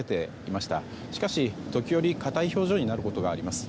しかし、時折硬い表情になることがあります。